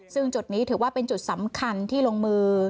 ซึ่งจุดนี้ถือว่าเป็นจุดสำคัญที่ลงมือ